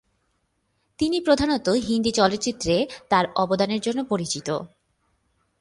তিনি প্রধানত হিন্দি চলচ্চিত্রে তার অবদানের জন্য পরিচিত।